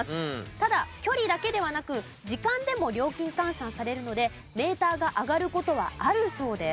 ただ距離だけではなく時間でも料金換算されるのでメーターが上がる事はあるそうです。